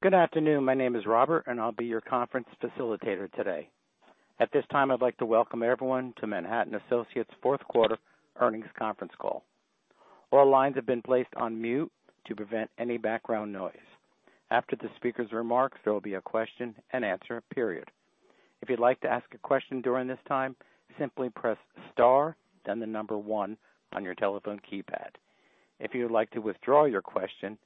Good afternoon. My name is Robert, and I'll be your conference facilitator today. At this time, I'd like to welcome everyone to Manhattan Associates fourth quarter earnings conference call. All lines have been placed on mute to prevent any background noise. After the speaker's remarks, there will be a question-and-answer period. If you'd like to ask a question during this time, simply press star, then the number 1 on your telephone keypad. If you would like to withdraw your question,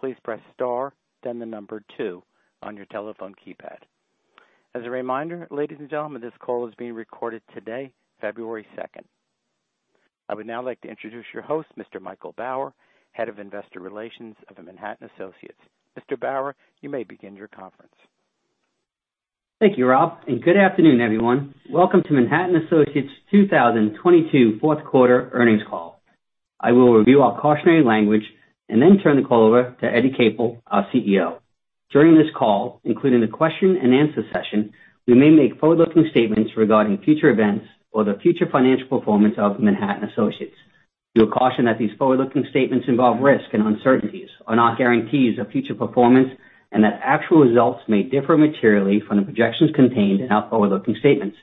please press star, then the number 2 on your telephone keypad. As a reminder, ladies and gentlemen, this call is being recorded today, February second. I would now like to introduce your host, Mr. Michael Bauer, Head of Investor Relations of Manhattan Associates. Mr. Bauer, you may begin your conference. Thank you, Rob. Good afternoon, everyone. Welcome to Manhattan Associates 2022 fourth quarter earnings call. I will review our cautionary language. Then turn the call over to Eddie Capel, our CEO. During this call, including the question and answer session, we may make forward-looking statements regarding future events or the future financial performance of Manhattan Associates. You'll caution that these forward-looking statements involve risks and uncertainties are not guarantees of future performance, that actual results may differ materially from the projections contained in our forward-looking statements.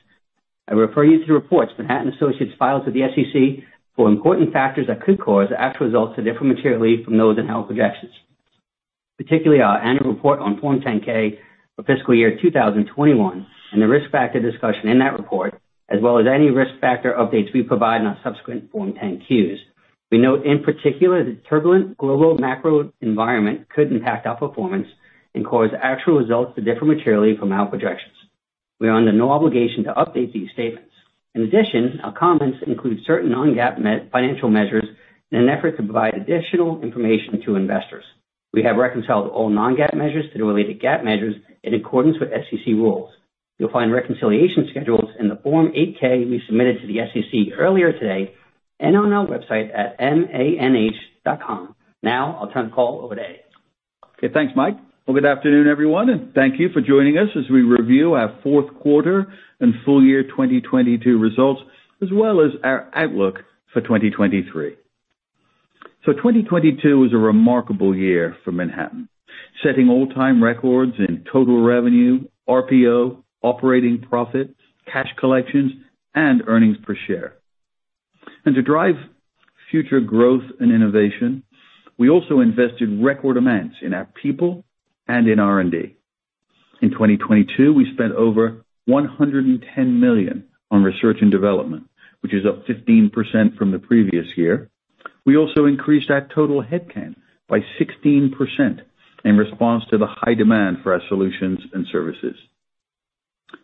I refer you to the reports Manhattan Associates files with the SEC for important factors that could cause the actual results to differ materially from those in health projections, particularly our annual report on Form 10-K for fiscal year 2021, and the risk factor discussion in that report, as well as any risk factor updates we provide in our subsequent Form 10-Q's. We note in particular that turbulent global macro environment could impact our performance and cause actual results to differ materially from our projections. We are under no obligation to update these statements. In addition, our comments include certain non-GAAP net financial measures in an effort to provide additional information to investors. We have reconciled all non-GAAP measures to the related GAAP measures in accordance with SEC rules. You'll find reconciliation schedules in the Form 8-K we submitted to the SEC earlier today and on our website at manh.com. I'll turn the call over to Eddie. Okay, thanks, Mike. Well, good afternoon, everyone, and thank you for joining us as we review our fourth quarter and full year 2022 results, as well as our outlook for 2023. 2022 was a remarkable year for Manhattan, setting all-time records in total revenue, RPO, operating profits, cash collections, and earnings per share. To drive future growth and innovation, we also invested record amounts in our people and in R&D. In 2022, we spent over $110 million on research and development, which is up 15% from the previous year. We also increased our total headcount by 16% in response to the high demand for our solutions and services.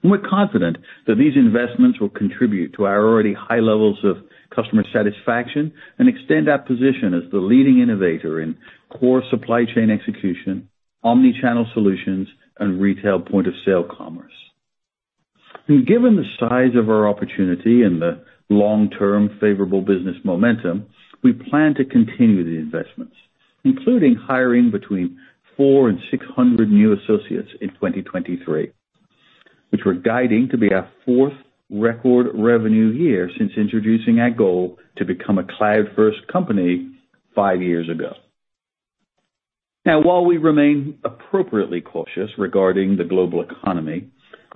We're confident that these investments will contribute to our already high levels of customer satisfaction and extend our position as the leading innovator in core supply chain execution, omnichannel solutions, and retail point of sale commerce. Given the size of our opportunity and the long-term favorable business momentum, we plan to continue the investments, including hiring between 400 and 600 new associates in 2023, which we're guiding to be our fourth record revenue year since introducing our goal to become a cloud-first company five years ago. Now, while we remain appropriately cautious regarding the global economy,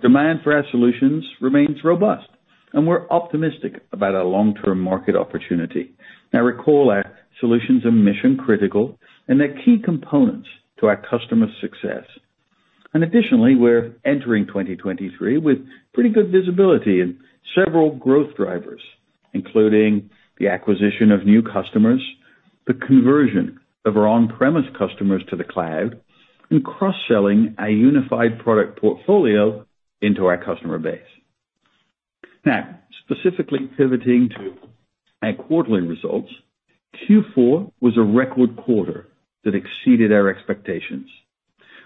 demand for our solutions remains robust, and we're optimistic about our long-term market opportunity. Now, recall our solutions are mission-critical and they're key components to our customers' success. Additionally, we're entering 2023 with pretty good visibility and several growth drivers, including the acquisition of new customers, the conversion of our on-premise customers to the cloud, and cross-selling our unified product portfolio into our customer base. Specifically pivoting to our quarterly results, Q4 was a record quarter that exceeded our expectations.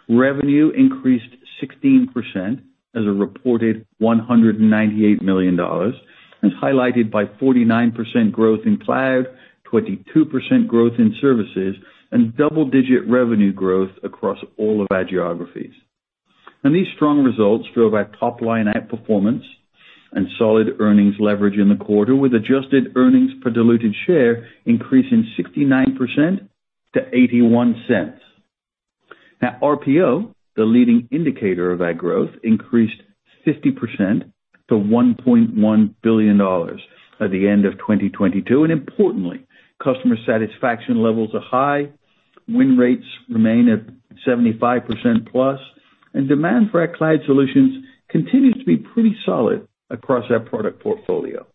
Revenue increased 16% as a reported $198 million, as highlighted by 49% growth in cloud, 22% growth in services, and double-digit revenue growth across all of our geographies. These strong results drove our top-line outperformance and solid earnings leverage in the quarter, with adjusted earnings per diluted share increasing 69% to $0.81. RPO, the leading indicator of our growth, increased 50% to $1.1 billion at the end of 2022. Importantly, customer satisfaction levels are high. Win rates remain at 75% plus, Demand for our cloud solutions continues to be pretty solid across our product portfolio.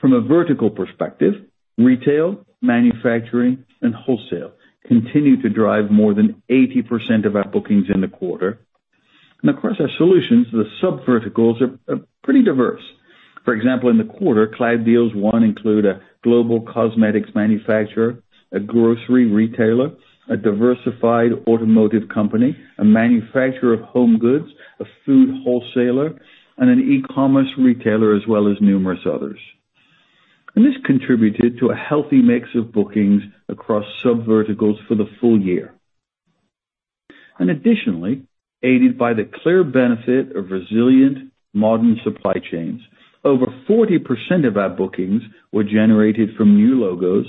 From a vertical perspective, retail, manufacturing, and wholesale continue to drive more than 80% of our bookings in the quarter. Across our solutions, the subverticals are pretty diverse. For example, in the quarter, cloud deals one include a global cosmetics manufacturer, a grocery retailer, a diversified automotive company, a manufacturer of home goods, a food wholesaler, and an e-commerce retailer, as well as numerous others. This contributed to a healthy mix of bookings across subverticals for the full year. Additionally, aided by the clear benefit of resilient modern supply chains, over 40% of our bookings were generated from new logos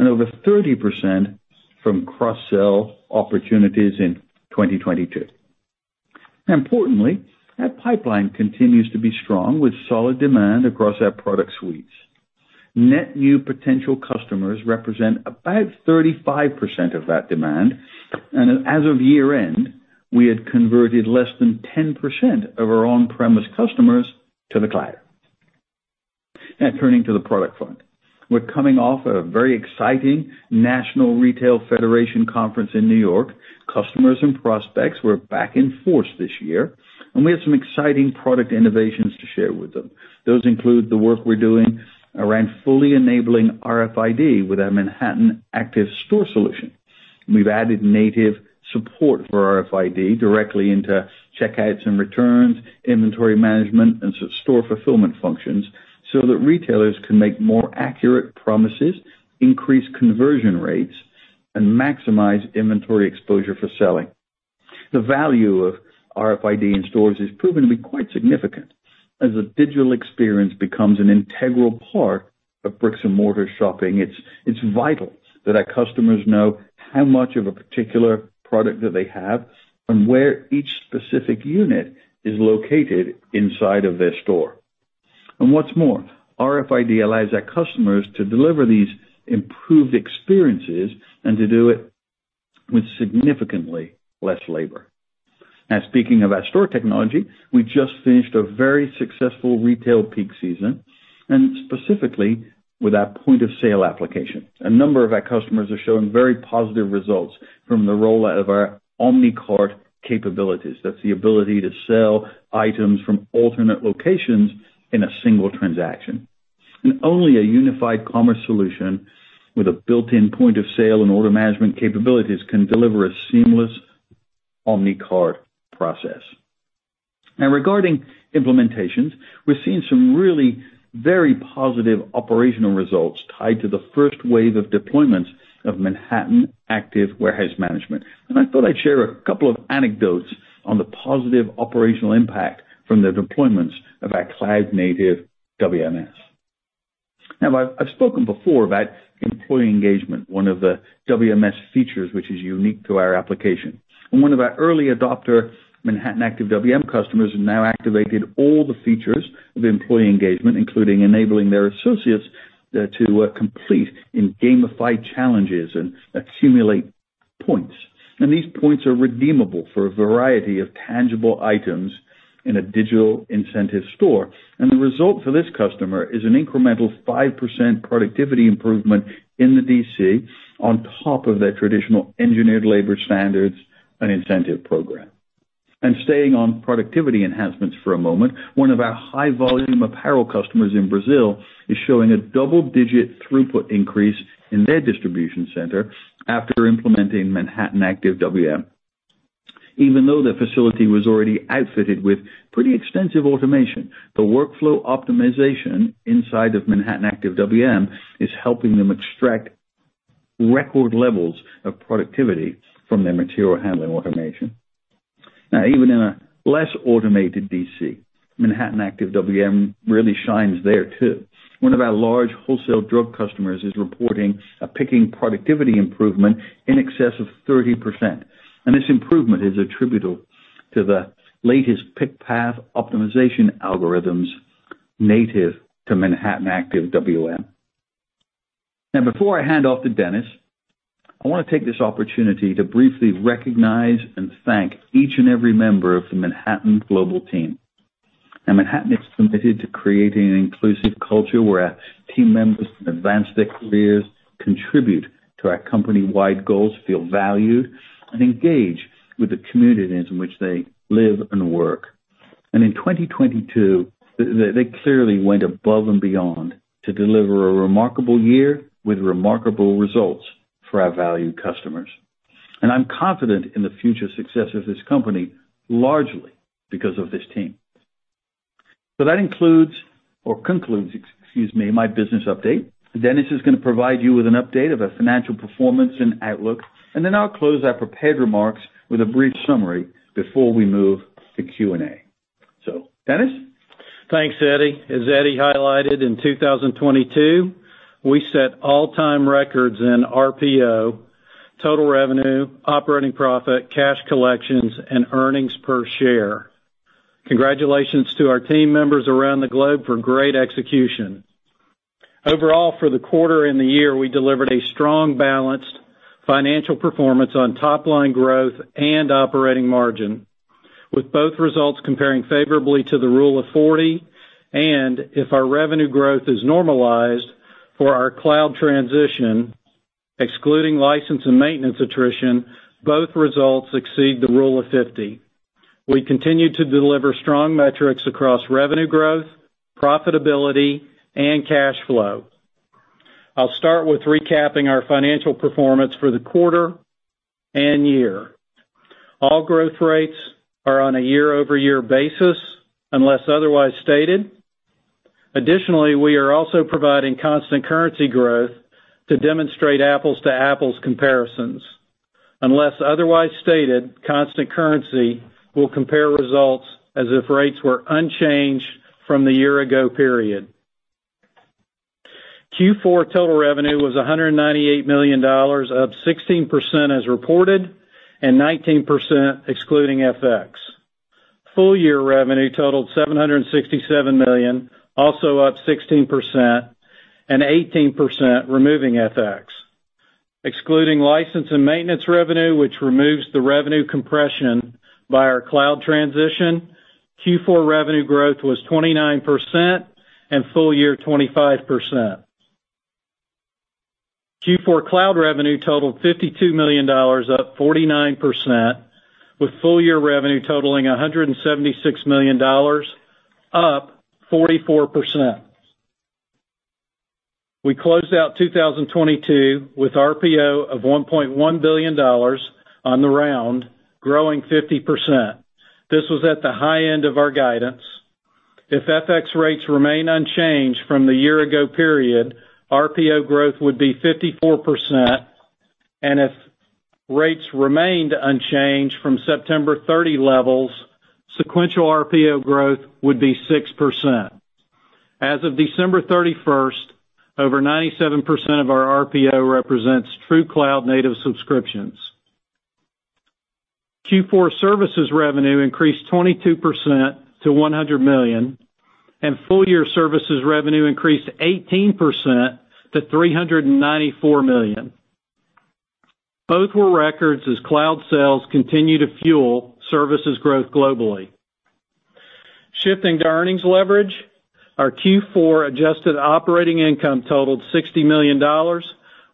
and over 30% from cross-sell opportunities in 2022. Importantly, our pipeline continues to be strong with solid demand across our product suites. Net new potential customers represent about 35% of that demand, and as of year-end, we had converted less than 10% of our on-premise customers to the cloud. Turning to the product front. We're coming off a very exciting National Retail Federation conference in New York. Customers and prospects were back in force this year, and we had some exciting product innovations to share with them. Those include the work we're doing around fully enabling RFID with our Manhattan Active Store solution. We've added native support for RFID directly into checkouts and returns, inventory management, and store fulfillment functions so that retailers can make more accurate promises, increase conversion rates, and maximize inventory exposure for selling. The value of RFID in stores has proven to be quite significant. As a digital experience becomes an integral part of bricks-and-mortar shopping, it's vital that our customers know how much of a particular product that they have and where each specific unit is located inside of their store. What's more, RFID allows our customers to deliver these improved experiences and to do it with significantly less labor. Speaking of our store technology, we just finished a very successful retail peak season. Specifically with our point of sale application, a number of our customers are showing very positive results from the rollout of our Omnicart capabilities. That's the ability to sell items from alternate locations in a single transaction. Only a unified commerce solution with a built-in point of sale and order management capabilities can deliver a seamless Omnicart process. Regarding implementations, we're seeing some really very positive operational results tied to the first wave of deployments of Manhattan Active Warehouse Management. I thought I'd share a couple of anecdotes on the positive operational impact from the deployments of our cloud-native WMS. I've spoken before about Employee Engagement, one of the WMS features which is unique to our application. One of our early adopter Manhattan Active WM customers now activated all the features of Employee Engagement, including enabling their associates to complete in gamified challenges and accumulate points. These points are redeemable for a variety of tangible items in a digital incentive store. The result for this customer is an incremental 5% productivity improvement in the DC on top of their traditional engineered labor standards and incentive program. Staying on productivity enhancements for a moment, one of our high volume apparel customers in Brazil is showing a double-digit throughput increase in their distribution center after implementing Manhattan Active WM. Even though the facility was already outfitted with pretty extensive automation, the workflow optimization inside of Manhattan Active WM is helping them extract record levels of productivity from their material handling automation. Even in a less automated DC, Manhattan Active WM really shines there too. One of our large wholesale drug customers is reporting a picking productivity improvement in excess of 30%, and this improvement is attributable to the latest pick path optimization algorithms native to Manhattan Active WM. Before I hand off to Dennis, I want to take this opportunity to briefly recognize and thank each and every member of the Manhattan global team. Manhattan is committed to creating an inclusive culture where our team members can advance their careers, contribute to our company-wide goals, feel valued, and engage with the communities in which they live and work. In 2022, they clearly went above and beyond to deliver a remarkable year with remarkable results for our valued customers. I'm confident in the future success of this company, largely because of this team. That includes or concludes, excuse me, my business update. Dennis is going to provide you with an update of the financial performance and outlook, I'll close our prepared remarks with a brief summary before we move to Q&A. Dennis? Thanks, Eddie. As Eddie highlighted, in 2022, we set all-time records in RPO, total revenue, operating profit, cash collections, and earnings per share. Congratulations to our team members around the globe for great execution. Overall, for the quarter and the year, we delivered a strong, balanced financial performance on top line growth and operating margin, with both results comparing favorably to the Rule of Forty, and if our revenue growth is normalized for our cloud transition, excluding license and maintenance attrition, both results exceed the Rule of Fifty. We continue to deliver strong metrics across revenue growth, profitability, and cash flow. I'll start with recapping our financial performance for the quarter and year. All growth rates are on a year-over-year basis, unless otherwise stated. Additionally, we are also providing constant currency growth to demonstrate apples to apples comparisons. Unless otherwise stated, constant currency will compare results as if rates were unchanged from the year ago period. Q4 total revenue was $198 million, up 16% as reported and 19% excluding FX. Full year revenue totaled $767 million, also up 16% and 18% removing FX. Excluding license and maintenance revenue, which removes the revenue compression via our cloud transition, Q4 revenue growth was 29% and full year, 25%. Q4 cloud revenue totaled $52 million, up 49%, with full year revenue totaling $176 million, up 44%. We closed out 2022 with RPO of $1.1 billion on the round, growing 50%. This was at the high end of our guidance. If FX rates remain unchanged from the year-ago period, RPO growth would be 54%, and if rates remained unchanged from September 30 levels, sequential RPO growth would be 6%. As of December 31st, over 97% of our RPO represents true cloud-native subscriptions. Q4 services revenue increased 22% to $100 million, and full year services revenue increased 18% to $394 million. Both were records as cloud sales continue to fuel services growth globally. Shifting to earnings leverage, our Q4 adjusted operating income totaled $60 million,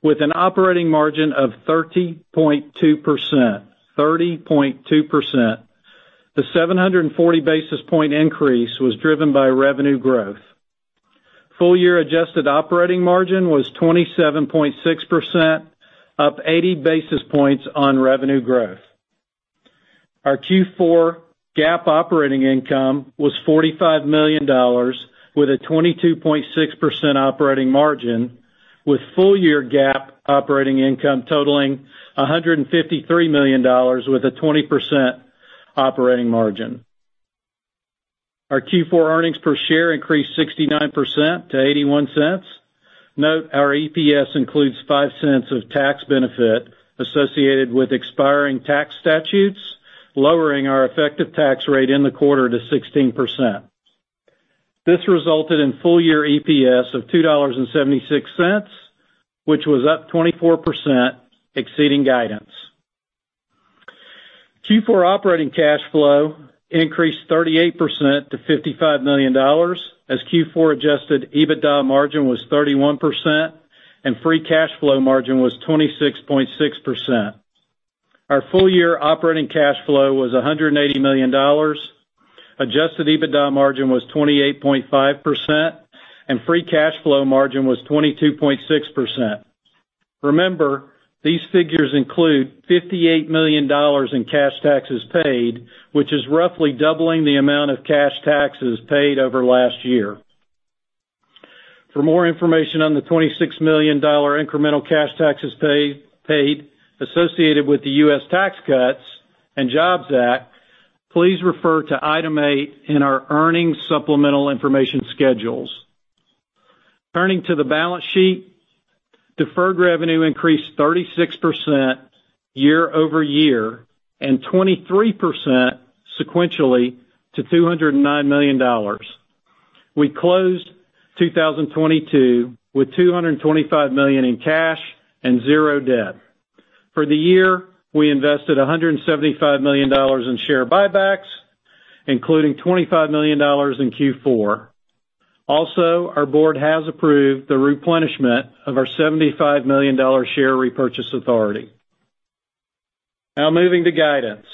with an operating margin of 30.2%, 30.2%. The 740 basis point increase was driven by revenue growth. Full year adjusted operating margin was 27.6%, up 80 basis points on revenue growth. Our Q4 GAAP operating income was $45 million, with a 22.6% operating margin, with full year GAAP operating income totaling $153 million with a 20% operating margin. Our Q4 earnings per share increased 69% to $0.81. Note, our EPS includes $0.05 of tax benefit associated with expiring tax statutes, lowering our effective tax rate in the quarter to 16%. This resulted in full year EPS of $2.76, which was up 24%, exceeding guidance. Q4 operating cash flow increased 38% to $55 million, as Q4 adjusted EBITDA margin was 31% and free cash flow margin was 26.6%. Our full year operating cash flow was $180 million. Adjusted EBITDA margin was 28.5%, and free cash flow margin was 22.6%. Remember, these figures include $58 million in cash taxes paid, which is roughly doubling the amount of cash taxes paid over last year. For more information on the $26 million incremental cash taxes paid associated with the U.S. Tax Cuts and Jobs Act, please refer to Item 8 in our earnings supplemental information schedules. Turning to the balance sheet, deferred revenue increased 36% year-over-year, and 23% sequentially to $209 million. We closed 2022 with $225 million in cash and zero debt. For the year, we invested $175 million in share buybacks, including $25 million in Q4. Our board has approved the replenishment of our $75 million share repurchase authority. Now moving to guidance.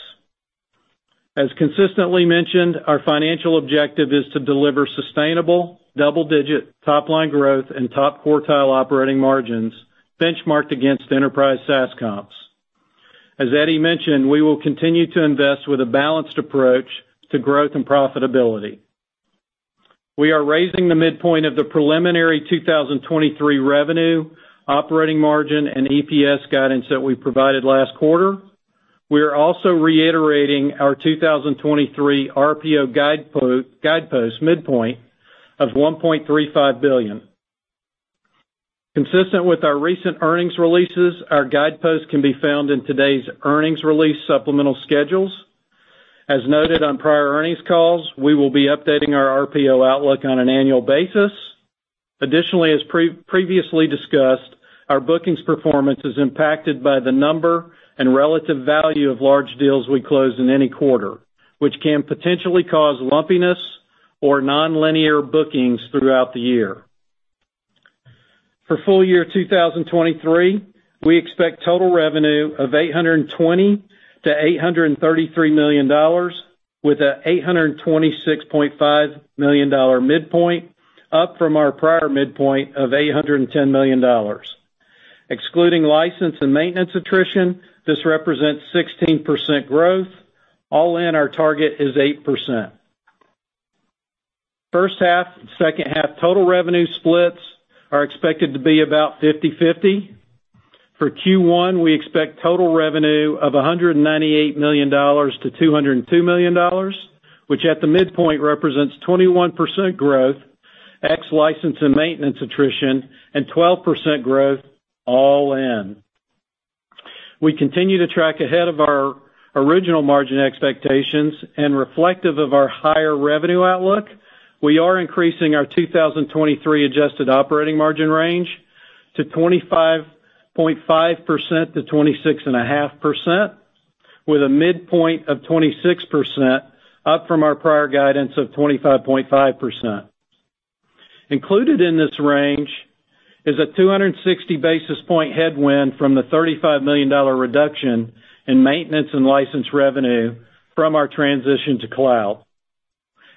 As consistently mentioned, our financial objective is to deliver sustainable double-digit top line growth and top quartile operating margins benchmarked against enterprise SaaS comps. As Eddie mentioned, we will continue to invest with a balanced approach to growth and profitability. We are raising the midpoint of the preliminary 2023 revenue, operating margin, and EPS guidance that we provided last quarter. We are also reiterating our 2023 RPO guidepost midpoint of $1.35 billion. Consistent with our recent earnings releases, our guidepost can be found in today's earnings release supplemental schedules. As noted on prior earnings calls, we will be updating our RPO outlook on an annual basis. Additionally, as previously discussed, our bookings performance is impacted by the number and relative value of large deals we close in any quarter, which can potentially cause lumpiness or nonlinear bookings throughout the year. For full year 2023, we expect total revenue of $820 million-$833 million, with a $826.5 million midpoint, up from our prior midpoint of $810 million. Excluding license and maintenance attrition, this represents 16% growth. All in, our target is 8%. First half and second half total revenue splits are expected to be about 50/50. For Q1, we expect total revenue of $198 million-$202 million, which at the midpoint represents 21% growth, ex license and maintenance attrition, and 12% growth all in. We continue to track ahead of our original margin expectations. Reflective of our higher revenue outlook, we are increasing our 2023 adjusted operating margin range to 25.5%-26.5%, with a midpoint of 26% up from our prior guidance of 25.5%. Included in this range is a 260 basis point headwind from the $35 million reduction in maintenance and license revenue from our transition to cloud.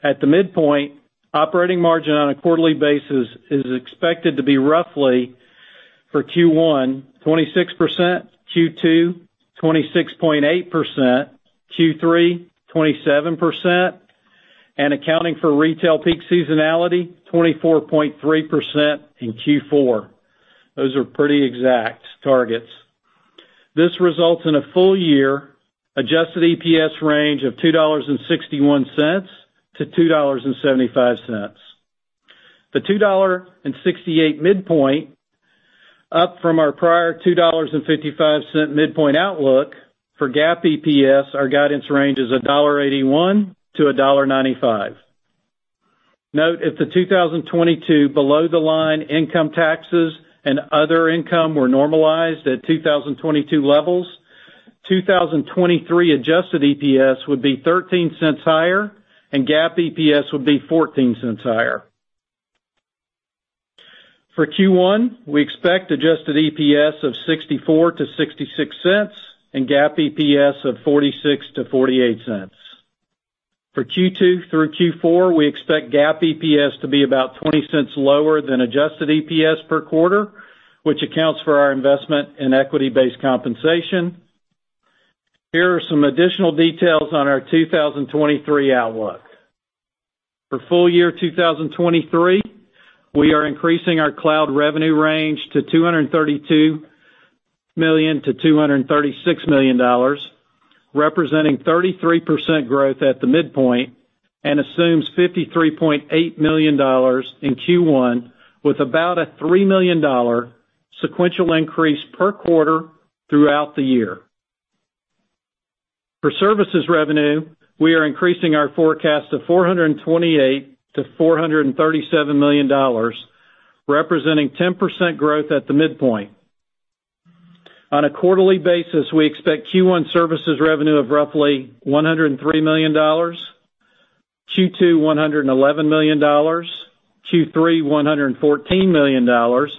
At the midpoint, operating margin on a quarterly basis is expected to be roughly, for Q1, 26%, Q2, 26.8%, Q3, 27%, and accounting for retail peak seasonality, 24.3% in Q4. Those are pretty exact targets. This results in a full year adjusted EPS range of $2.61-$2.75. The $2.68 midpoint, up from our prior $2.55 midpoint outlook. For GAAP EPS, our guidance range is $1.81-$1.95. Note, if the 2022 below-the-line income taxes and other income were normalized at 2022 levels, 2023 adjusted EPS would be $0.13 higher and GAAP EPS would be $0.14 higher. For Q1, we expect adjusted EPS of $0.64-$0.66 and GAAP EPS of $0.46-$0.48. For Q2 through Q4, we expect GAAP EPS to be about $0.20 lower than adjusted EPS per quarter, which accounts for our investment in equity-based compensation. Here are some additional details on our 2023 outlook. For full year 2023, we are increasing our cloud revenue range to $232 million-$236 million, representing 33% growth at the midpoint, and assumes $53.8 million in Q1, with about a $3 million sequential increase per quarter throughout the year. For services revenue, we are increasing our forecast of $428 million-$437 million, representing 10% growth at the midpoint. On a quarterly basis, we expect Q1 services revenue of roughly $103 million, Q2, $111 million, Q3, $114 million,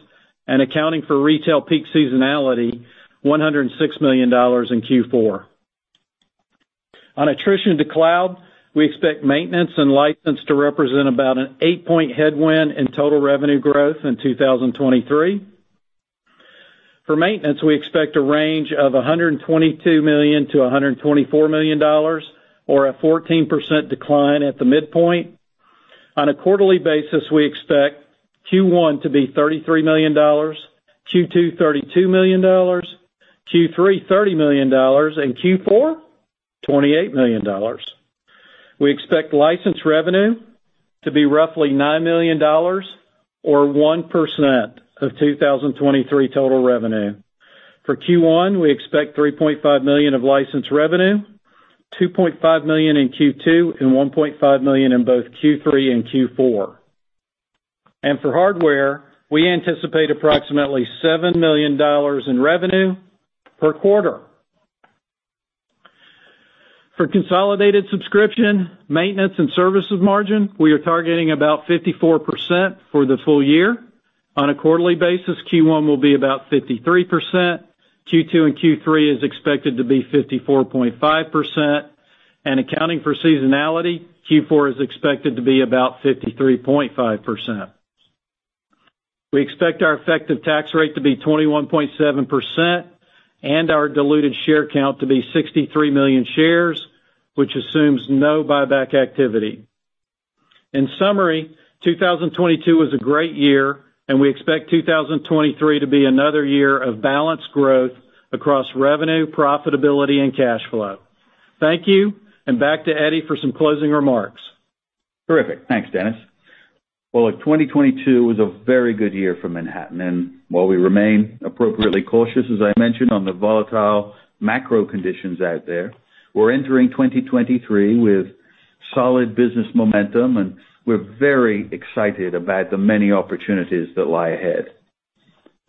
and accounting for retail peak seasonality, $106 million in Q4. On attrition to cloud, we expect maintenance and license to represent about an 8-point headwind in total revenue growth in 2023. For maintenance, we expect a range of $122 million-$124 million, or a 14% decline at the midpoint. On a quarterly basis, we expect Q1 to be $33 million, Q2, $32 million, Q3, $30 million, and Q4, $28 million. We expect license revenue to be roughly $9 million or 1% of 2023 total revenue. For Q1, we expect $3.5 million of license revenue, $2.5 million in Q2, and $1.5 million in both Q3 and Q4. For hardware, we anticipate approximately $7 million in revenue per quarter. For consolidated subscription, maintenance, and services margin, we are targeting about 54% for the full year. On a quarterly basis, Q1 will be about 53%, Q2 and Q3 is expected to be 54.5%, accounting for seasonality, Q4 is expected to be about 53.5%. We expect our effective tax rate to be 21.7% and our diluted share count to be 63 million shares, which assumes no buyback activity. In summary, 2022 was a great year, we expect 2023 to be another year of balanced growth across revenue, profitability, and cash flow. Thank you, back to Eddie for some closing remarks. Terrific. Thanks, Dennis. Look, 2022 was a very good year for Manhattan. While we remain appropriately cautious, as I mentioned, on the volatile macro conditions out there, we're entering 2023 with solid business momentum, and we're very excited about the many opportunities that lie ahead.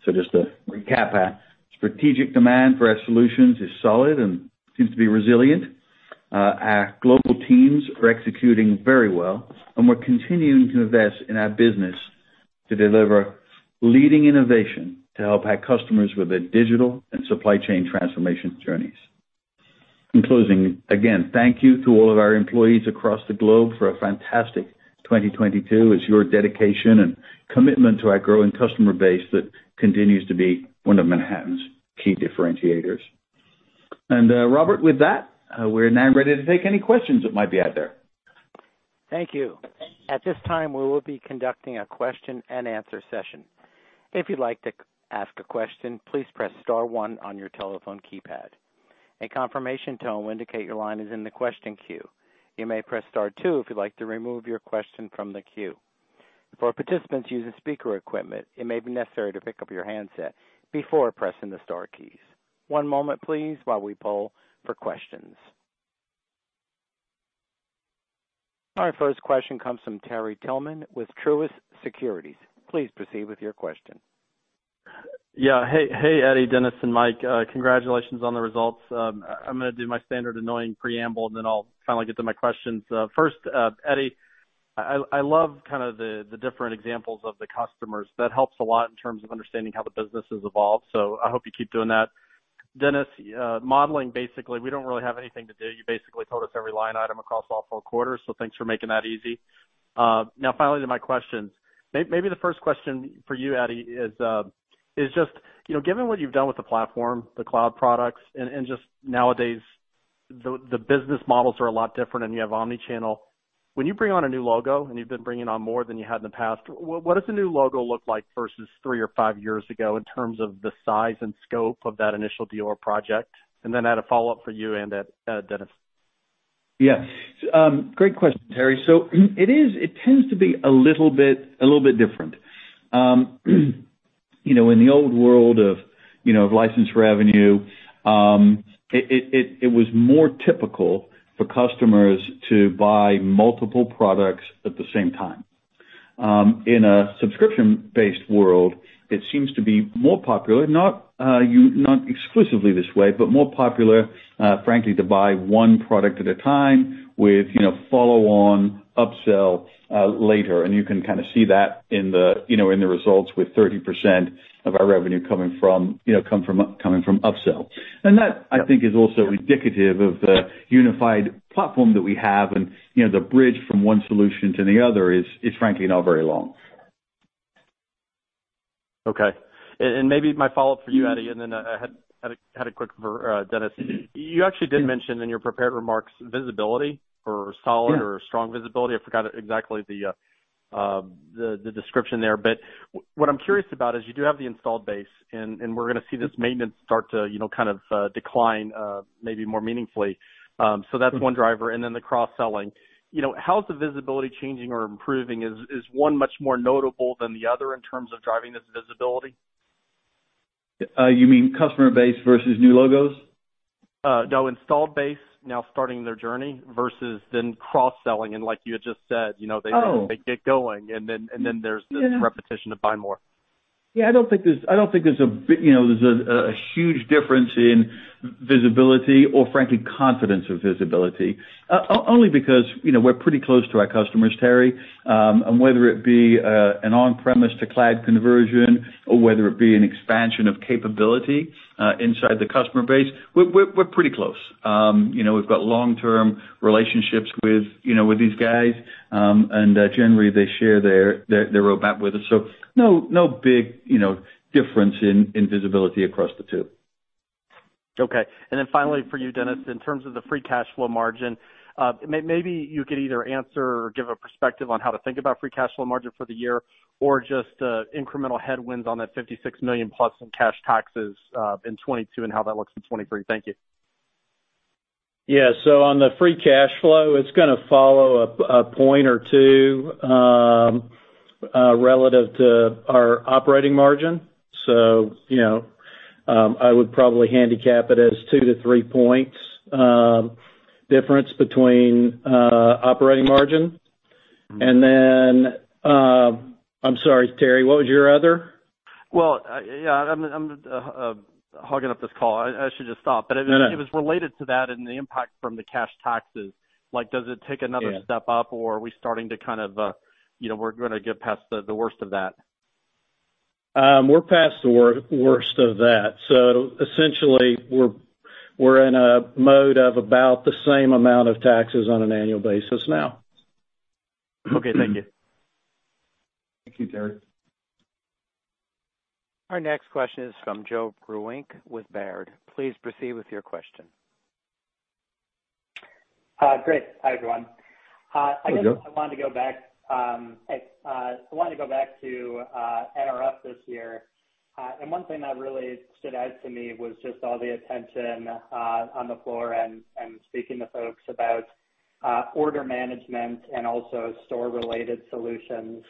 Just to recap that, strategic demand for our solutions is solid and seems to be resilient. Our global teams are executing very well, and we're continuing to invest in our business to deliver leading innovation to help our customers with their digital and supply chain transformation journeys. In closing, again, thank you to all of our employees across the globe for a fantastic 2022. It's your dedication and commitment to our growing customer base that continues to be one of Manhattan's key differentiators. Robert, with that, we're now ready to take any questions that might be out there. Thank you. At this time, we will be conducting a question and answer session. If you'd like to ask a question, please press star 1 on your telephone keypad. A confirmation tone will indicate your line is in the question queue. You may press star 2 if you'd like to remove your question from the queue. For participants using speaker equipment, it may be necessary to pick up your handset before pressing the star keys. One moment please while we poll for questions. Our first question comes from Terry Tillman with Truist Securities. Please proceed with your question. Yeah. Hey, Eddie, Dennis, and Mike. Congratulations on the results. I'm gonna do my standard annoying preamble, and then I'll finally get to my questions. First, Eddie, I love kinda the different examples of the customers. That helps a lot in terms of understanding how the business has evolved, so I hope you keep doing that. Dennis, modeling, basically, we don't really have anything to do. You basically told us every line item across all 4 quarters, so thanks for making that easy. Now finally to my questions. Maybe the first question for you, Eddie, is just, you know, given what you've done with the platform, the cloud products, and just nowadays, the business models are a lot different, and you have omnichannel. When you bring on a new logo, and you've been bringing on more than you had in the past, what does the new logo look like versus three or five years ago in terms of the size and scope of that initial deal or project? Then I had a follow-up for you and then, Dennis. Yes. great question, Terry. it tends to be a little bit, a little bit different. you know, in the old world of, you know, of license revenue, it was more typical for customers to buy multiple products at the same time. In a subscription-based world, it seems to be more popular, not exclusively this way, but more popular, frankly, to buy one product at a time with, you know, follow-on upsell, later. You can kinda see that in the, you know, in the results with 30% of our revenue coming from, you know, coming from upsell. That, I think, is also indicative of the unified platform that we have. you know, the bridge from one solution to the other is frankly not very long. Okay. Maybe my follow-up for you, Eddie, then I had a quick for Dennis. You actually did mention in your prepared remarks visibility or solid or strong visibility. I forgot exactly the description there. What I'm curious about is you do have the installed base, and we're gonna see this maintenance start to, you know, kind of decline maybe more meaningfully. That's one driver. The cross-selling. You know, how's the visibility changing or improving? Is one much more notable than the other in terms of driving this visibility? You mean customer base versus new logos? No, installed base now starting their journey versus then cross-selling. Like you had just said, you know, they... Oh. They get going, and then there's this repetition to buy more. Yeah, I don't think there's a big, you know, there's a huge difference in visibility or frankly confidence with visibility. Only because, you know, we're pretty close to our customers, Terry. Whether it be an on-premise to cloud conversion or whether it be an expansion of capability inside the customer base, we're pretty close. You know, we've got long-term relationships with, you know, with these guys, generally they share their roadmap with us. No big, you know, difference in visibility across the two. Okay. Finally for you, Dennis, in terms of the free cash flow margin, maybe you could either answer or give a perspective on how to think about free cash flow margin for the year or just incremental headwinds on that $56 million+ in cash taxes in 2022 and how that looks in 2023. Thank you. Yeah. On the free cash flow, it's gonna follow a point or 2, relative to our operating margin. You know, I would probably handicap it as 2 to 3 points, difference between operating margin. Then... I'm sorry, Terry, what was your other? Well, yeah, I'm hogging up this call. I should just stop. No, no. It was related to that and the impact from the cash taxes. Like, does it take another step up, or are we starting to kind of, you know, we're gonna get past the worst of that? We're past the worst of that. Essentially we're in a mode of about the same amount of taxes on an annual basis now. Okay. Thank you. Thank you, Terry. Our next question is from Joseph Vruwink with Baird. Please proceed with your question. Great. Hi, everyone. Hi, Joe. I guess I wanted to go back. I wanted to go back to NRF this year. One thing that really stood out to me was just all the attention on the floor and speaking to folks about order management and also store-related solutions.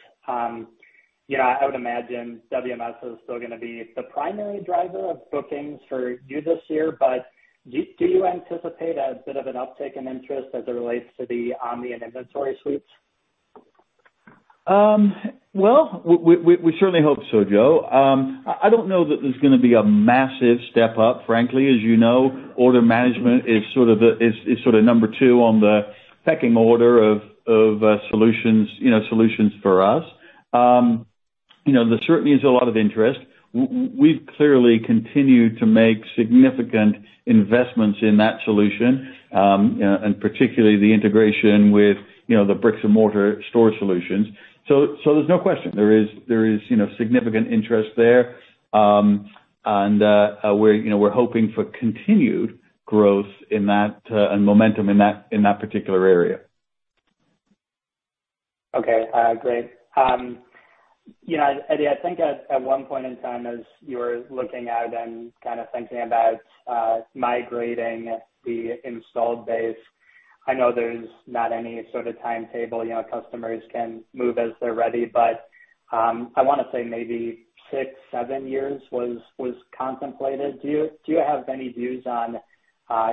You know, I would imagine WMS is still gonna be the primary driver of bookings for you this year, but you anticipate a bit of an uptick in interest as it relates to the omni and inventory suites? Well, we certainly hope so, Joe. I don't know that there's gonna be a massive step up, frankly. As you know, order management is sort of the, is sort of number two on the pecking order of solutions for us. You know, there certainly is a lot of interest. We've clearly continued to make significant investments in that solution, and particularly the integration with, you know, the bricks and mortar store solutions. There's no question, there is, you know, significant interest there. We're, you know, we're hoping for continued growth in that and momentum in that particular area. Okay, great. you know, Eddie, I think at one point in time as you were looking at and kind of thinking about, migrating the installed base, I know there's not any sort of timetable, you know, customers can move as they're ready, but I wanna say maybe six, seven years was contemplated. Do you have any views on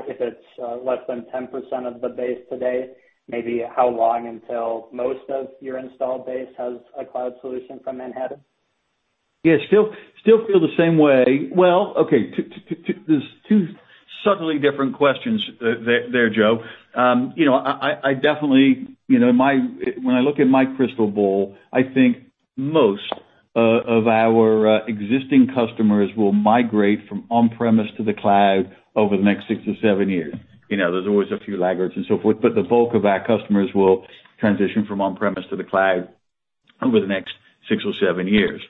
if it's less than 10% of the base today, maybe how long until most of your installed base has a cloud solution from Manhattan? Yeah. Still feel the same way. Well, okay. There's two subtly different questions there, Joe. You know, I definitely, you know, when I look at my crystal ball, I think most of our existing customers will migrate from on-premise to the cloud over the next 6 to 7 years. You know, there's always a few laggards and so forth, the bulk of our customers will transition from on-premise to the cloud over the next 6 or 7 years.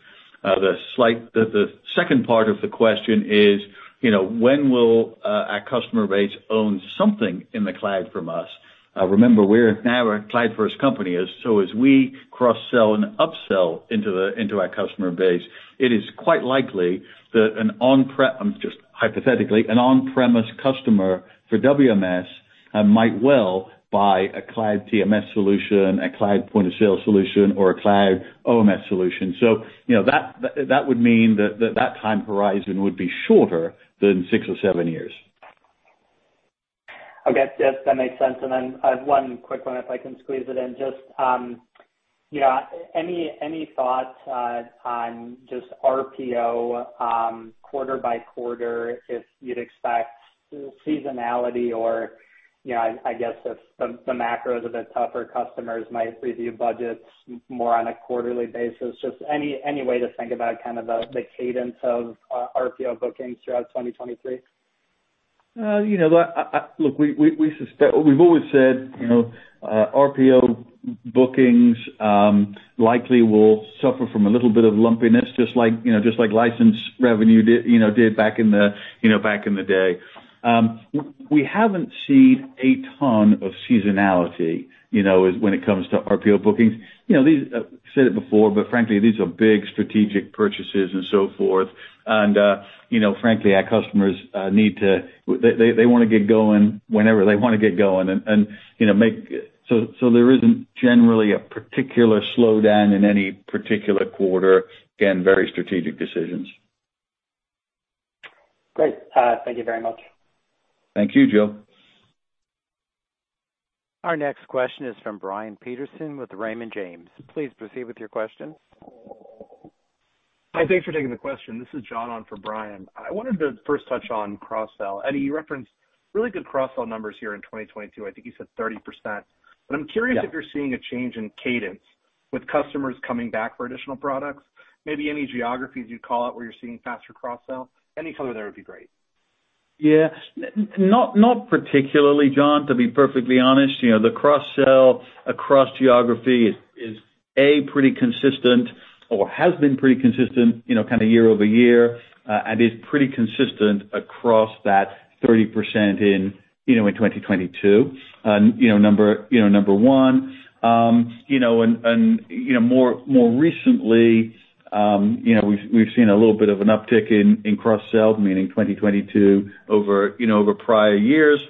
The second part of the question is, you know, when will our customer base own something in the cloud from us? Remember, we're now a cloud-first company. As we cross-sell and upsell into the, into our customer base, it is quite likely that an on prep, just hypothetically, an on-premise customer for WMS, might well buy a cloud TMS solution, a cloud point-of-sale solution, or a cloud OMS solution. You know, that would mean that time horizon would be shorter than six or seven years. Okay. Yes, that makes sense. I have one quick one if I can squeeze it in. Just, you know, any thoughts on just RPO quarter by quarter, if you'd expect seasonality or, you know, I guess if the macro is a bit tougher, customers might review budgets more on a quarterly basis. Just any way to think about kind of the cadence of RPO bookings throughout 2023? You know, Look, we suspect. We've always said, you know, RPO bookings likely will suffer from a little bit of lumpiness, just like, you know, just like license revenue did back in the day. We haven't seen a ton of seasonality, you know, as when it comes to RPO bookings. You know, these said it before, but frankly, these are big strategic purchases and so forth, and, you know, frankly, our customers wanna get going whenever they wanna get going and, you know, there isn't generally a particular slowdown in any particular quarter. Again, very strategic decisions. Great. Thank you very much. Thank you, Joe. Our next question is from Brian Peterson with Raymond James. Please proceed with your question. Hi. Thanks for taking the question. This is John on for Brian. I wanted to first touch on cross-sell. Eddie, you referenced really good cross-sell numbers here in 2022. I think you said 30%. Yeah. I'm curious if you're seeing a change in cadence with customers coming back for additional products. Maybe any geographies you'd call out where you're seeing faster cross-sell? Any color there would be great. Yeah. Not particularly, John, to be perfectly honest. You know, the cross-sell across geography is A, pretty consistent or has been pretty consistent, you know, kinda year-over-year, and is pretty consistent across that 30% in 2022. You know, number one. You know, and, more recently, you know, we've seen a little bit of an uptick in cross-sell, meaning 2022 over, you know, over prior years.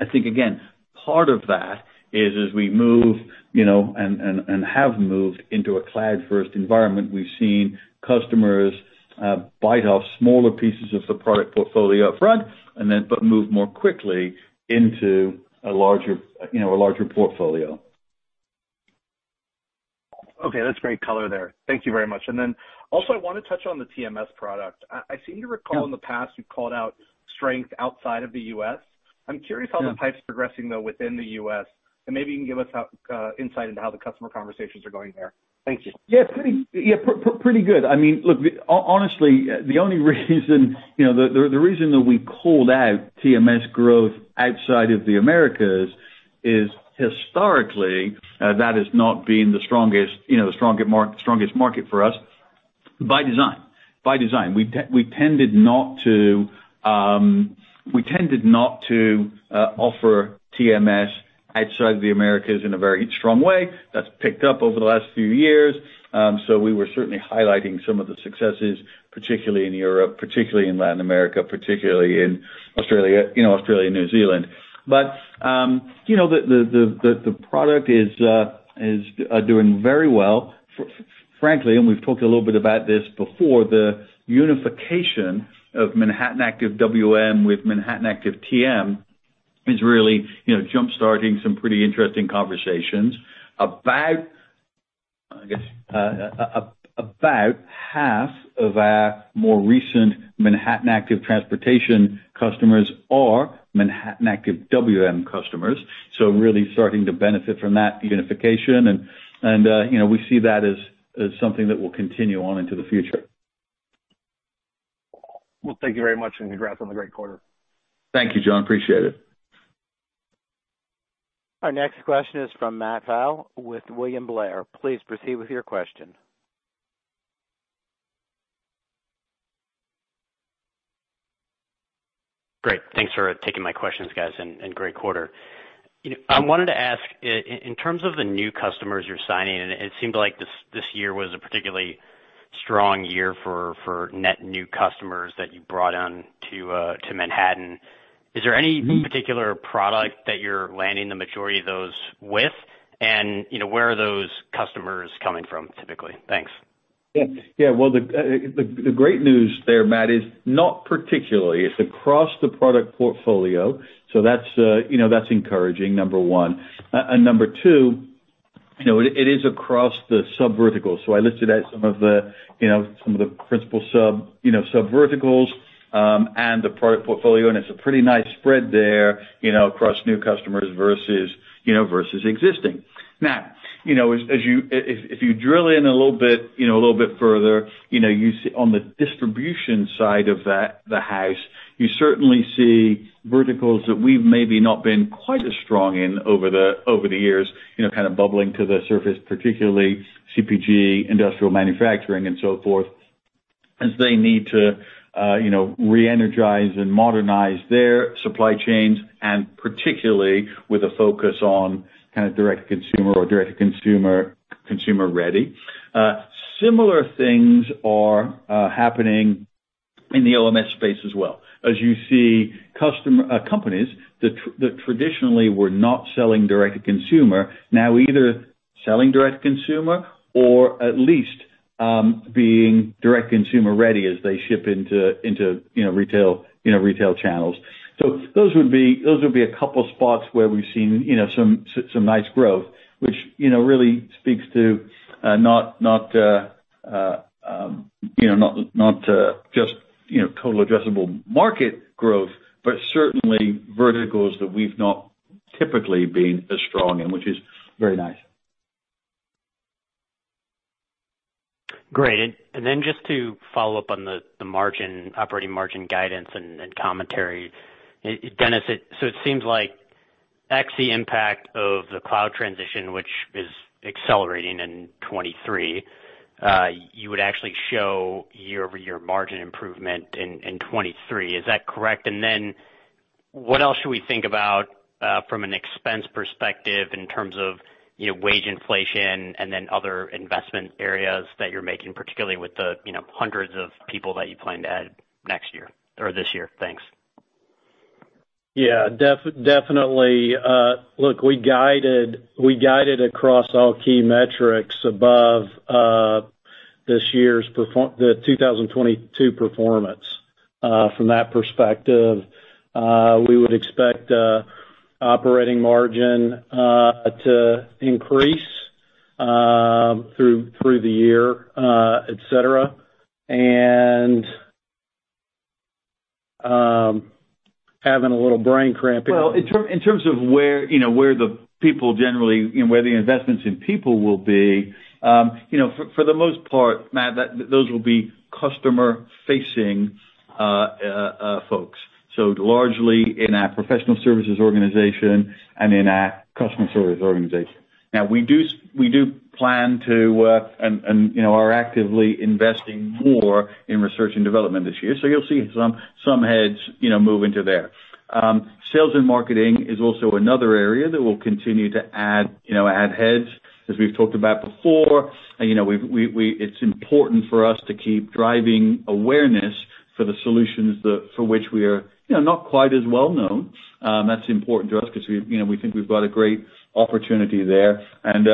I think again, part of that is as we move, you know, and have moved into a cloud-first environment, we've seen customers bite off smaller pieces of the product portfolio up front and then but move more quickly into a larger portfolio. Okay. That's great color there. Thank you very much. Then also I wanna touch on the TMS product. Yeah. I seem to recall in the past you've called out strength outside of the U.S. Yeah. I'm curious how that pipe's progressing though within the U.S., and maybe you can give us, insight into how the customer conversations are going there. Thank you. Yeah. Pretty good. I mean, look, honestly, the only reason, you know, the reason that we called out TMS growth outside of the Americas is historically, that has not been the strongest market for us by design. By design. We tended not to offer TMS outside of the Americas in a very strong way. That's picked up over the last few years. We were certainly highlighting some of the successes, particularly in Europe, particularly in Latin America, particularly in Australia, you know, Australia and New Zealand. You know, the product is doing very well, frankly, and we've talked a little bit about this before, the unification of Manhattan Active WM with Manhattan Active TM is really, you know, jump-starting some pretty interesting conversations. I guess, about half of our more recent Manhattan Active Transportation customers are Manhattan Active WM customers, so really starting to benefit from that unification. You know, we see that as something that will continue on into the future. Well, thank you very much. Congrats on the great quarter. Thank you, John. Appreciate it. Our next question is from Matthew Pfau with William Blair. Please proceed with your question. Great. Thanks for taking my questions, guys, and great quarter. You know, I wanted to ask in terms of the new customers you're signing, and it seemed like this year was a particularly strong year for net new customers that you brought on to Manhattan. Is there any particular product that you're landing the majority of those with? You know, where are those customers coming from typically? Thanks. Yeah. Yeah. Well, the great news there, Matt, is not particularly. It's across the product portfolio, so that's, you know, that's encouraging, number 1. Number 2, you know, it is across the subverticals. So I listed out some of the, you know, some of the principal sub, you know, subverticals, and the product portfolio, and it's a pretty nice spread there, you know, across new customers versus, you know, versus existing. Now, you know, as you... If you drill in a little bit, you know, a little bit further, you know, you see on the distribution side of that, the house, you certainly see verticals that we've maybe not been quite as strong in over the years, you know, kind of bubbling to the surface, particularly CPG, industrial manufacturing and so forth, as they need to, you know, reenergize and modernize their supply chains, and particularly with a focus on kind of direct-to-consumer or direct-to-consumer, consumer ready. Similar things are happening in the LMS space as well. As you see companies that traditionally were not selling direct-to-consumer now either selling direct-to-consumer or at least being direct-to-consumer ready as they ship into, you know, retail, you know, retail channels. Those would be a couple spots where we've seen, you know, some nice growth, which, you know, really speaks to not, you know, not, just, you know, total addressable market growth, but certainly verticals that we've not typically been as strong in, which is very nice. Great. Just to follow up on the margin, operating margin guidance and commentary, Dennis. It seems like X, the impact of the cloud transition, which is accelerating in 2023, you would actually show year-over-year margin improvement in 2023. Is that correct? What else should we think about from an expense perspective in terms of, you know, wage inflation and then other investment areas that you're making, particularly with the, you know, hundreds of people that you plan to add next year or this year? Thanks. Yeah. Definitely. Look, we guided across all key metrics above the 2022 performance from that perspective. We would expect operating margin to increase through the year, et cetera. Having a little brain cramp here. Well, in terms of where, you know, where the people generally, you know, where the investments in people will be, you know, for the most part, Matt, those will be customer-facing folks. Largely in our professional services organization and in our customer service organization. We do plan to, and, you know, are actively investing more in research and development this year. You'll see some heads, you know, move into there. Sales and marketing is also another area that we'll continue to add, you know, add heads. As we've talked about before, you know, it's important for us to keep driving awareness for the solutions that, for which we are, you know, not quite as well known. That's important to us 'cause we, you know, we think we've got a great opportunity there. As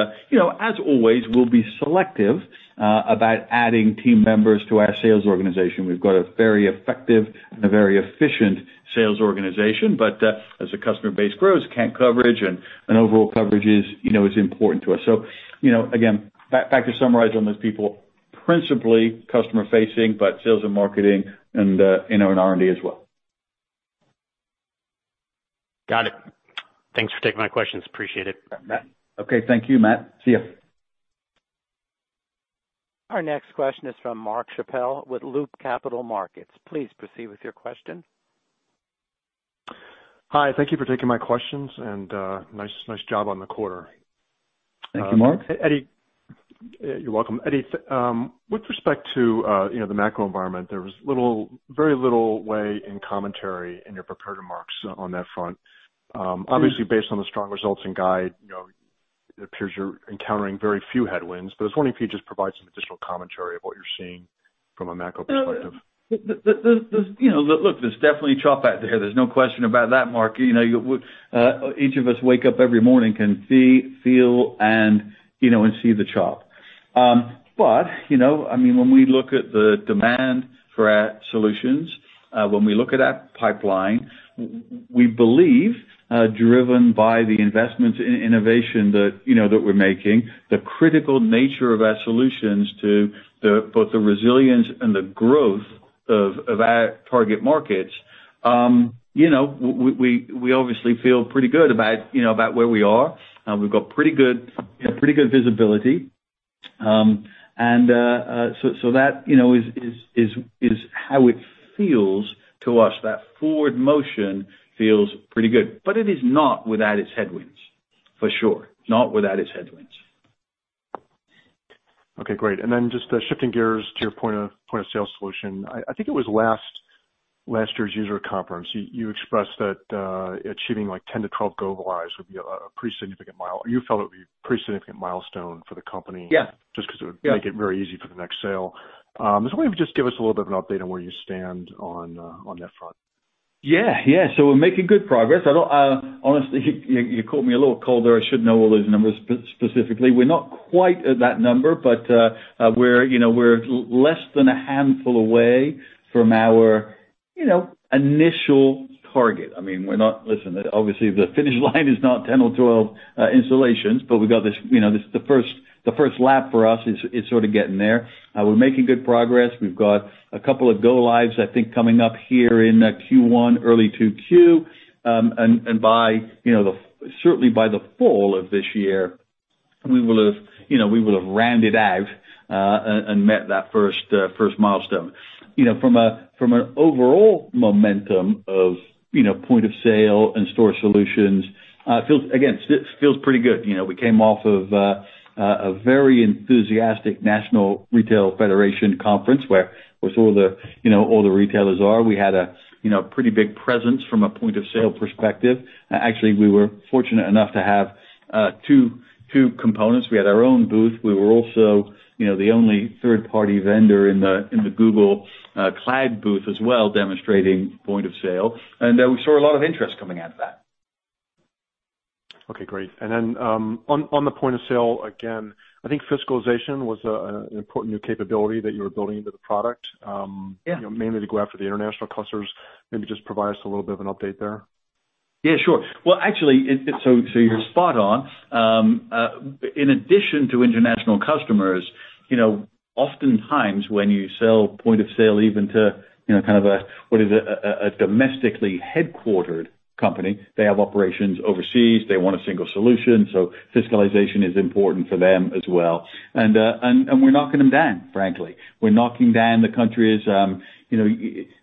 always, you know, we'll be selective about adding team members to our sales organization. We've got a very effective and a very efficient sales organization, but as the customer base grows, account coverage and overall coverage is, you know, is important to us. Again, you know, back to summarize on those people, principally customer facing, but sales and marketing and, you know, R&D as well. Got it. Thanks for taking my questions. Appreciate it. Okay. Thank you, Matt. See ya. Our next question is from Mark Schappel with Loop Capital Markets. Please proceed with your question. Hi. Thank you for taking my questions, nice job on the quarter. Thank you, Mark. Eddie. You're welcome. Eddie, with respect to the macro environment, there was little, very little way in commentary in your prepared remarks on that front. Obviously based on the strong results and guide, it appears you're encountering very few headwinds, but I was wondering if you could just provide some additional commentary of what you're seeing from a macro perspective. The, you know, look, there's definitely chop out there. There's no question about that, Mark. You know, each of us wake up every morning can see, feel, and, you know, and see the chop. You know, I mean, when we look at the demand for our solutions, when we look at our pipeline, we believe, driven by the investments in innovation that, you know, that we're making, the critical nature of our solutions to the, both the resilience and the growth of our target markets, you know, we obviously feel pretty good about, you know, about where we are. We've got pretty good visibility. So that, you know, is how it feels to us. That forward motion feels pretty good, but it is not without its headwinds, for sure. Not without its headwinds. Okay, great. Then, just shifting gears to your point of sale solution. I think it was last year's user conference, you expressed that achieving like 10 to 12 go lives would be a pretty significant milestone for the company. Yeah. just 'cause it would- Yeah. Make it very easy for the next sale. I was wondering if you could just give us a little bit of an update on where you stand on that front. Yeah. Yeah. We're making good progress. I don't honestly, you, you caught me a little colder. I should know all those numbers specifically. We're not quite at that number, but we're, you know, we're less than a handful away from our, you know, initial target. I mean, we're not Listen, obviously the finish line is not 10 or 12 installations, but we've got this, you know, this is the first, the first lap for us is sort of getting there. We're making good progress. We've got a couple of go lives, I think, coming up here in Q1, early 2Q, and by, you know, certainly by the fall of this year, we will have, you know, we will have rounded out and met that first milestone. You know, from a, from an overall momentum of, you know, point of sale and store solutions, it feels, again, it feels pretty good. You know, we came off of a very enthusiastic National Retail Federation conference where sort of the, you know, all the retailers are. We had a, you know, pretty big presence from a point of sale perspective. Actually, we were fortunate enough to have two components. We had our own booth. We were also, you know, the only third-party vendor in the Google Cloud booth as well, demonstrating point of sale. We saw a lot of interest coming out of that. Okay, great. Then, on the point of sale, again, I think fiscalization was an important new capability that you were building into the product. Yeah. You know, mainly to go after the international customers. Maybe just provide us a little bit of an update there. Yeah, sure. Well, actually it's so you're spot on. In addition to international customers, you know, oftentimes when you sell point of sale even to, you know, kind of a domestically headquartered company. They have operations overseas. They want a single solution. Fiscalization is important for them as well. We're knocking them down, frankly. We're knocking down the countries, you know.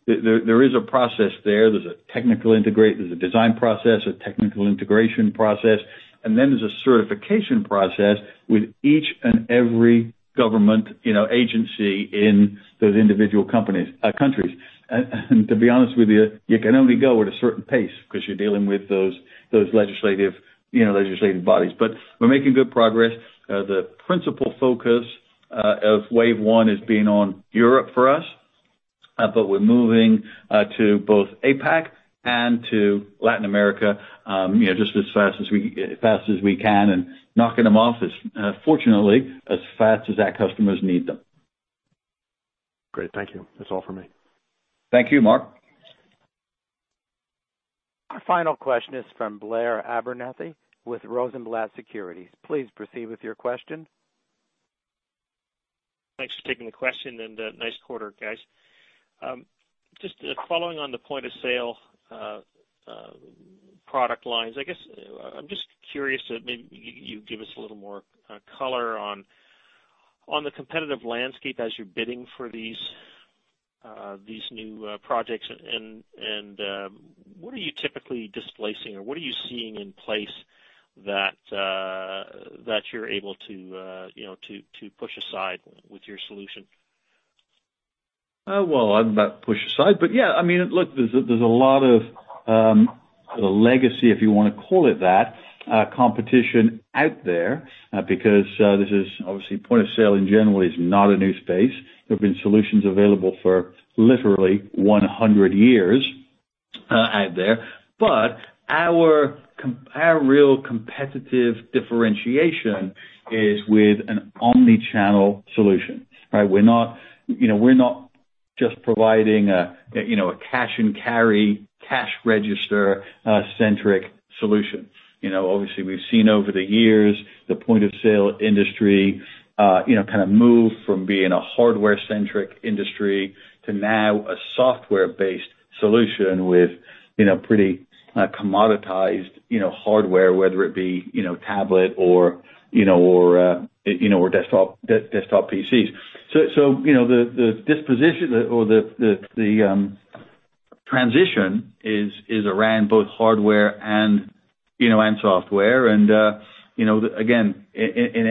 There is a process there. There's a technical integrate, there's a design process, a technical integration process, and then there's a certification process with each and every government, you know, agency in those individual companies, countries. To be honest with you can only go at a certain pace 'cause you're dealing with those legislative, you know, legislative bodies. We're making good progress. The principal focus of wave 1 is being on Europe for us. We're moving to both APAC and to Latin America, you know, just as fast as we can and knocking them off as fortunately, as fast as our customers need them. Great. Thank you. That's all for me. Thank you, Mark. Our final question is from Blair Abernethy with Rosenblatt Securities. Please proceed with your question. Thanks for taking the question and nice quarter, guys. Just following on the point of sale product lines, I guess I'm just curious that maybe you give us a little more color on the competitive landscape as you're bidding for these new projects. What are you typically displacing or what are you seeing in place that you're able to, you know, to push aside with your solution? Well, I'm about push aside, yeah, I mean, look, there's a, there's a lot of sort of legacy, if you wanna call it that, competition out there, because this is obviously point of sale in general is not a new space. There have been solutions available for literally 100 years out there. Our real competitive differentiation is with an omni-channel solution, right? We're not, you know, we're not just providing a, you know, a cash and carry cash register centric solution. You know, obviously we've seen over the years the point of sale industry, you know, kind of move from being a hardware centric industry to now a software based solution with, you know, pretty commoditized, you know, hardware, whether it be, you know, tablet or, you know, or, you know, or desktop PCs. You know, the disposition or the transition is around both hardware and software. You know, again, in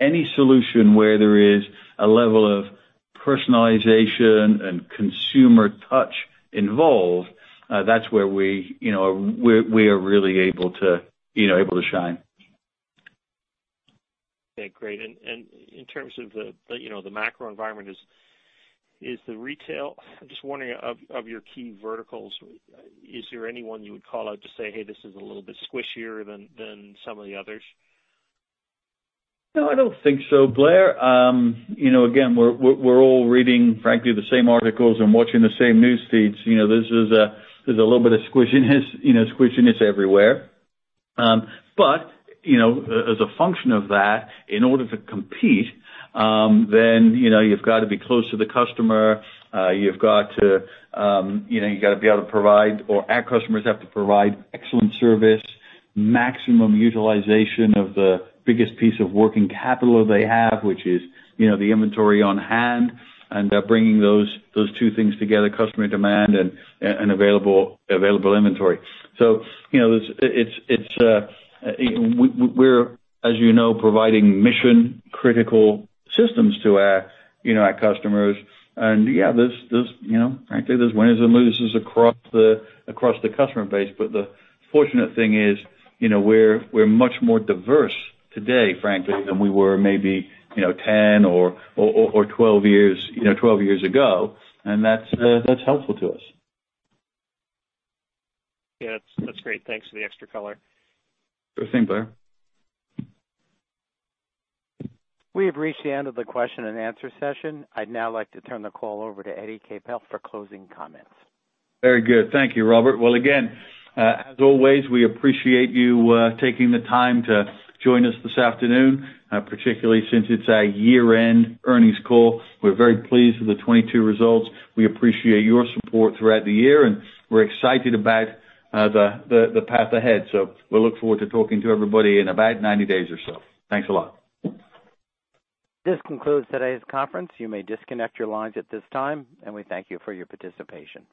any solution where there is a level of personalization and consumer touch involved, that's where we are really able to shine. Okay, great. In terms of the, you know, the macro environment, I'm just wondering of your key verticals, is there anyone you would call out to say, "Hey, this is a little bit squishier than some of the others? No, I don't think so, Blair. You know, again, we're all reading, frankly, the same articles and watching the same news feeds. You know, this is a, there's a little bit of squishiness, you know, everywhere. You know, as a function of that, in order to compete, you know, you've got to be close to the customer. You've got to, you know, you've got to be able to provide or our customers have to provide excellent service, maximum utilization of the biggest piece of working capital they have, which is, you know, the inventory on hand, and bringing those two things together, customer demand and available inventory. You know, we're, as you know, providing mission-critical systems to our, you know, our customers. Yeah, there's, you know, frankly, there's winners and losers across the customer base. The fortunate thing is, you know, we're much more diverse today, frankly, than we were maybe, you know, 10 or 12 years, you know, 12 years ago. That's helpful to us. Yeah. That's great. Thanks for the extra color. Sure thing, Blair. We have reached the end of the question and answer session. I'd now like to turn the call over to Eddie Capel for closing comments. Very good. Thank you, Robert. Well, again, as always, we appreciate you taking the time to join us this afternoon, particularly since it's our year-end earnings call. We're very pleased with the 22 results. We appreciate your support throughout the year, and we're excited about the path ahead. We look forward to talking to everybody in about 90 days or so. Thanks a lot. This concludes today's conference. You may disconnect your lines at this time. We thank you for your participation.